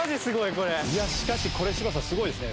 しかしこれ柴田さんすごいですね。